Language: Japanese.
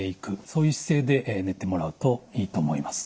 そういう姿勢で寝てもらうといいと思います。